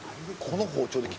「この包丁で」